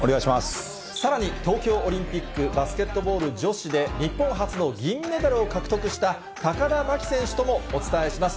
さらに東京オリンピックバスケットボール女子で日本初の銀メダルを獲得した高田真希選手ともお伝えします。